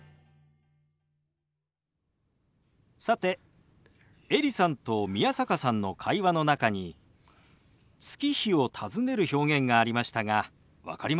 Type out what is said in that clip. さてエリさんと宮坂さんの会話の中に月日を尋ねる表現がありましたが分かりましたか？